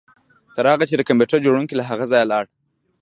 تر هغه چې د کمپیوټر جوړونکی له هغه ځایه لاړ